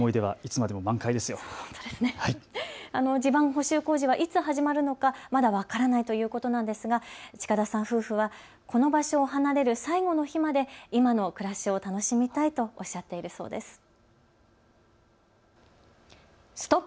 地盤補修工事はいつ始まるのかまだ分からないということなんですが近田さん夫婦はこの場所を離れる最後の日まで今の暮らしを楽しみたいとおっしゃっているそうです。